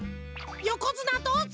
よこづなどうぞ！